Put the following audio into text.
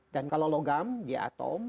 dan kalau logam dia atom